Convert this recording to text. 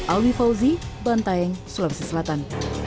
alwi fauzi bantaeng sulawesi selatan